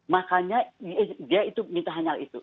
makanya dia itu minta hanyalah itu